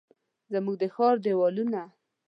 زموږ د ښار دیوالونه،